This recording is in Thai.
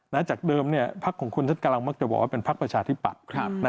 และจากเดิมพลักษณ์ของคนชั้นกลางมักจะบอกว่าเป็นพลักษณ์ประชาธิปัตย์